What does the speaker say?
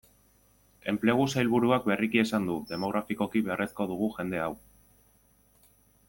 Enplegu sailburuak berriki esan du, demografikoki beharrezko dugu jende hau.